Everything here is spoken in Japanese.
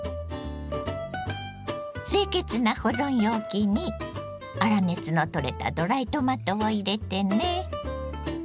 清潔な保存容器に粗熱の取れたドライトマトを入れてね。